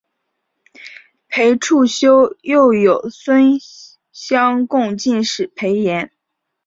裴处休又有孙乡贡进士裴岩。